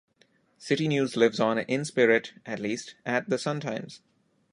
City News lives on, in spirit, at least, at the "Sun-Times".